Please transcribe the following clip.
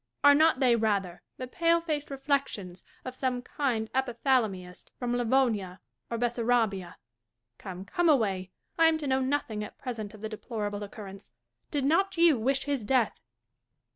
Are not they, rather, the pale faced reflections of some kind epithalamiast from Livonia or Bessarabia? Come, come away. I am to know nothing at present of the deplorable occurrence. Did not you wish his death 1 Dashkof.